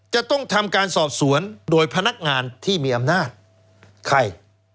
จะต้องทำการสอบสวนโดยพนักงานที่มีอำนาจใคร